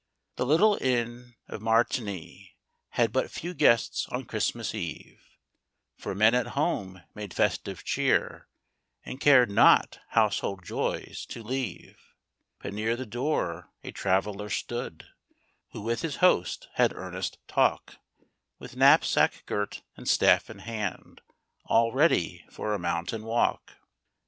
'JpHE little Inn of Martigny Had but few guests on Christmas Eve, For men at home made festive cheer, And cared not household joys to leave. But near the door a traveler stood, Who with his host had earnest talk, With knapsack girt and staff in hand, All ready for a mountain walk.